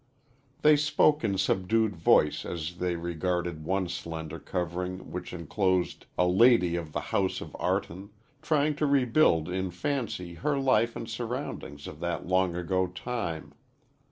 They spoke in subdued voice as they regarded one slender covering which enclosed "A Lady of the House of Artun" trying to rebuild in fancy her life and surroundings of that long ago time.